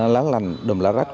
lá lành đùm lá rách